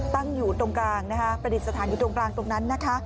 ตั้งอยู่ตรงกลางนะคะประดิษฐานอยู่ตรงกลางตรงนั้นนะคะ